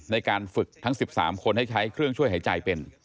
ในการฝึกทั้ง๑๓คนให้ใช้เครื่องช่วยหายใจเป็น